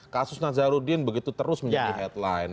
kasus nazarudin begitu terus menjadi headline